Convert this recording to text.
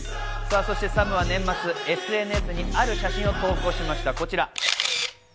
そしてサムは年末、ＳＮＳにある写真を投稿しました。